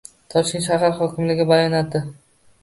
Toshkent shahar hokimligi bayonoti